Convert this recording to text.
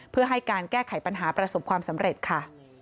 เพื่อให้การแก้ไขปัญหาประสบความสำเร็จค่ะ